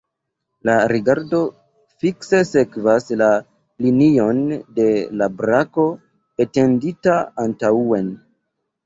La rigardo fikse sekvas la linion de la brako etendita antaŭen.